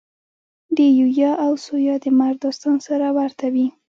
د یویا او ثویا د مرګ داستان سره ورته وي.